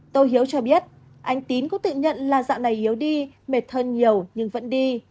tô hiếu cho biết anh tín cũng tự nhận là dạng này yếu đi mệt hơn nhiều nhưng vẫn đi